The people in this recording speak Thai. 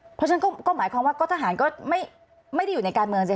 เพราะฉะนั้นก็หมายความว่าก็ทหารก็ไม่ได้อยู่ในการเมืองสิ